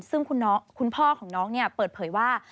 ซึ่งคุณพ่อของน้องเนี่ยเปิดเผยว่า